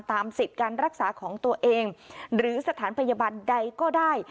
สิทธิ์การรักษาของตัวเองหรือสถานพยาบาลใดก็ได้